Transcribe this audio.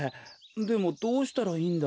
でもどうしたらいいんだ？